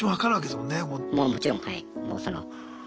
もうもちろんはい。